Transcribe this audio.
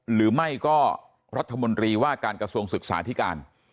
หรือไม่ก็รัฐมนตรีว่าการกระทรวงศึกษาธิการ